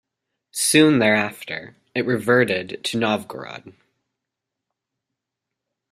Soon thereafter, it reverted to Novgorod.